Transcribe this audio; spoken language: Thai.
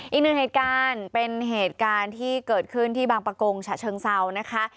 อีกหนึ่งเหตุการณ์เป็นเหตุการณ์ที่เกิดขึ้นที่บางประกงฉะเชิงเซานะคะ